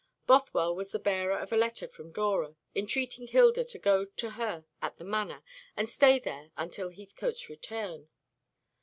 Bothwell was the bearer of a letter from Dora, entreating Hilda to go to her at the Manor, and stay there until Heathcote's return.